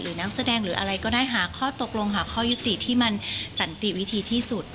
นักแสดงหรืออะไรก็ได้หาข้อตกลงหาข้อยุติที่มันสันติวิธีที่สุด